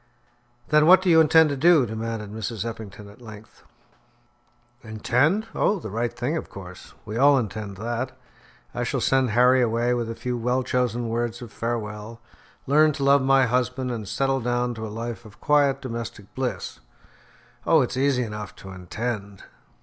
"Then what do you intend to do?" demanded Mrs. Eppington at length. "Intend! Oh, the right thing of course. We all intend that. I shall send Harry away with a few well chosen words of farewell, learn to love my husband and settle down to a life of quiet domestic bliss. Oh, it's easy enough to intend!"